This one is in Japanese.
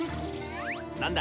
何だ？